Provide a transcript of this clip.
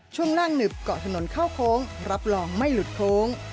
ช่วงล่างหนึบเกาะถนนเข้าโค้งรับรองไม่หลุดโค้ง